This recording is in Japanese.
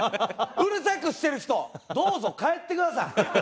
うるさくしてる人どうぞ帰ってください。